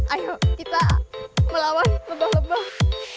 ayo kita melawan lebah lebah